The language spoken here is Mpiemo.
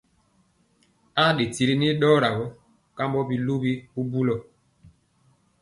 Aa ɗe tiri nii ɗɔɔra kambɔ bisuli bubulɔ.